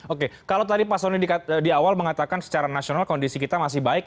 oke kalau tadi pak soni di awal mengatakan secara nasional kondisi kita masih baik